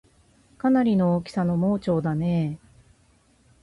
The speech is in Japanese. かなりの大きさの盲腸だねぇ